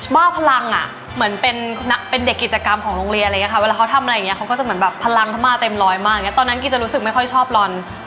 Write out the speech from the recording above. ม้าพลังเหมือนเป็นเด็กกิจกรรมของโรงเรียน